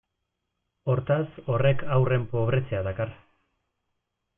Hortaz, horrek haurren pobretzea dakar.